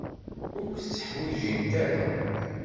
Ur k-tteḥwijint ara.